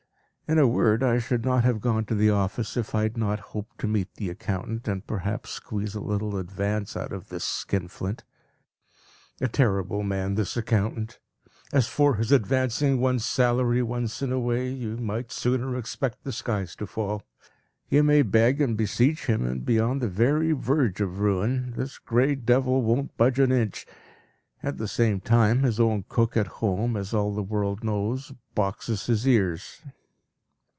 In a word, I should not have gone to the office if I had not hoped to meet the accountant, and perhaps squeeze a little advance out of this skinflint. A terrible man, this accountant! As for his advancing one's salary once in a way you might sooner expect the skies to fall. You may beg and beseech him, and be on the very verge of ruin this grey devil won't budge an inch. At the same time, his own cook at home, as all the world knows, boxes his ears.